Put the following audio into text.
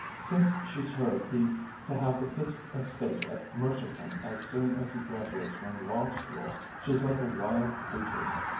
Since she's heard he's to have the Fiske estate at Mercerton as soon as he graduates from Law School, she's like a wild creature!